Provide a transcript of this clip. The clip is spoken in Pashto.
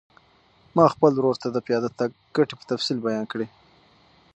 ما خپل ورور ته د پیاده تګ ګټې په تفصیل بیان کړې.